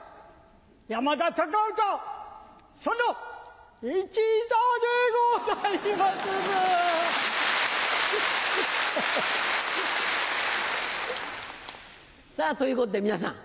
山田隆夫とその一座でございまする！ハハハ。ということで皆さん